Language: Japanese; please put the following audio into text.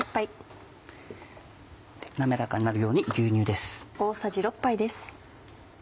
なめらかになるように牛乳です。